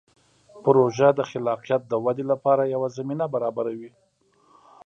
پروژه د خلاقیت د ودې لپاره یوه زمینه برابروي.